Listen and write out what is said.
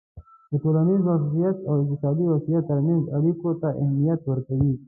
د ټولنیز وضععیت او اقتصادي وضعیت ترمنځ اړیکو ته اهمیت ورکوی